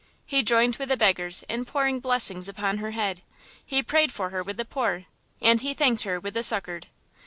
He joined with the beggars in pouring blessings upon her head, he prayed for her with the poor, and he thanked her with the succoured.